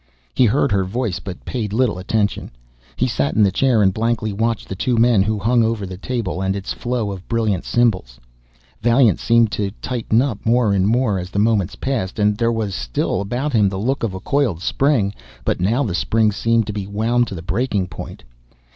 He heard her voice but paid little attention. He sat in the chair and blankly watched the two men who hung over the table and its flow of brilliant symbols. Vaillant seemed to tighten up more and more as the moments passed, and there was still about him the look of a coiled spring but now the spring seemed to be wound to the breaking point.